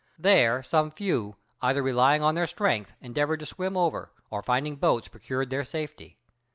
There some few, either relying on their strength, endeavored to swim over, or finding boats procured their safety.